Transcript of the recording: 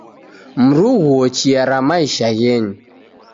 Mrighoruo chia ra maisha ghenyu